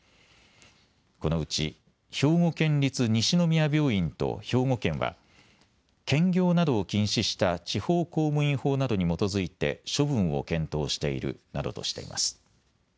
このうち兵庫県立西宮病院と兵庫県は兼業などを禁止した地方公務員法などに基づいて処分を検討しているなどとしています。